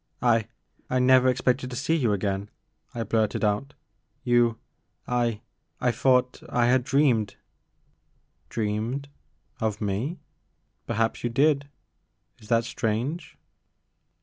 " I — I never expected to see you again," I blurted out, — you — I — I — thought I had dreamed "" Dreamed, of me ? Perhaps you did, is that strange?"